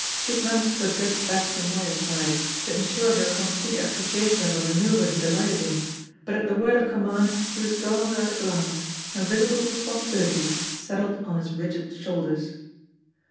He had managed to drift back to Moya's side, to ensure her complete appreciation of a manoeuvre he delighted in, but at the word of command he was gone without a glance, and visible responsibility settled on his rigid shoulders.